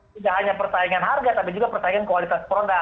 tidak hanya persaingan harga tapi juga persaingan kualitas produk